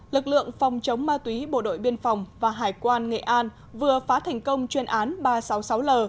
lực lượng phòng chống ma túy bộ đội biên phòng và hải quan nghệ an vừa phá thành công chuyên án ba trăm sáu mươi sáu l